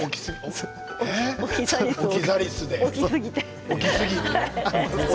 オキザリスを置きすぎて。